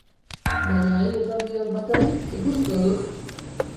Baina hi eta biok bakarrik, ikusiko duk!